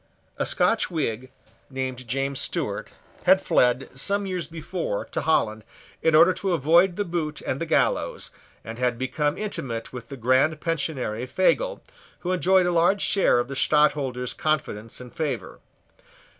A Scotch Whig, named James Stewart, had fled, some years before, to Holland, in order to avoid the boot and the gallows, and had become intimate with the Grand Pensionary Fagel, who enjoyed a large share of the Stadtholder's confidence and favour.